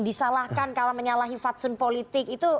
disalahkan kalau menyalahi fatsun politik itu